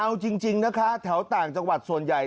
เอาจริงนะคะแถวต่างจังหวัดส่วนใหญ่